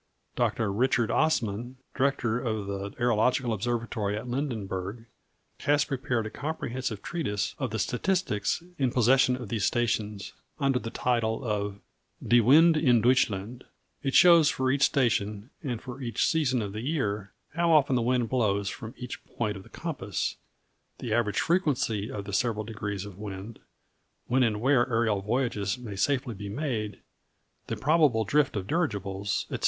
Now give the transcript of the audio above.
Dr. Richard Assman, director of the aerological observatory at Lindenburg, has prepared a comprehensive treatise of the statistics in possession of these stations, under the title of Die Winde in Deutschland. It shows for each station, and for each season of the year, how often the wind blows from each point of the compass; the average frequency of the several degrees of wind; when and where aerial voyages may safely be made; the probable drift of dirigibles, etc.